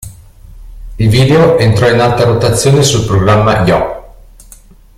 Il video entrò in alta rotazione sul programma Yo!